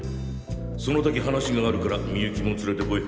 その時話があるからみゆきも連れてこい。